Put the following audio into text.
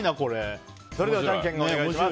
それではじゃんけんお願いします。